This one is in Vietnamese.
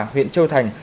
huyện châu thành